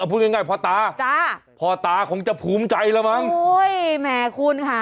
พูดง่ายพ่อตาจ้าพ่อตาคงจะภูมิใจแล้วมั้งโอ้ยแหมคุณค่ะ